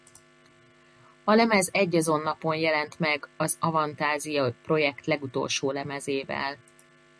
A lemez egyazon napon jelent az Avantasia-projekt legutolsó lemezével.